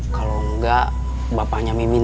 kau ngak bapaknya mimin